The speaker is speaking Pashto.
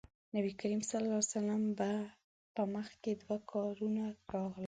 نبي کريم ص په مخکې دوه کارونه راغلل.